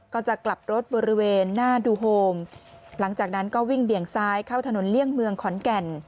ก็จะกลับรถบริเวณหน้าดูโฮมหลังจากนั้นก็วิ่งเบี่ยงซ้ายเข้าถนนเลี่ยงเมืองขอนแก่น